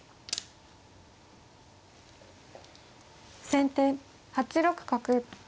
先手８六角。